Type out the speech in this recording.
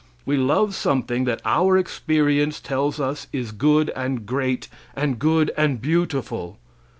We love something that our experience tells us is good and great, and good and beautiful.